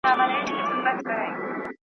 نه روپۍ به له جېبو څخه ورکیږي .